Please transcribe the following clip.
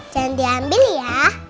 jangan diambil ya